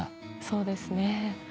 そうですね。